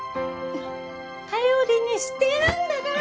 頼りにしてるんだから！